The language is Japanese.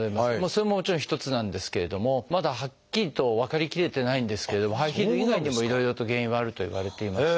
それももちろん一つなんですけれどもまだはっきりと分かりきれてないんですけれどもハイヒール以外にもいろいろと原因はあるといわれています。